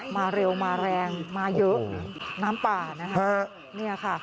มาเร็วมาแรงมาเยอะน้ำป่านะคะเนี่ยค่ะ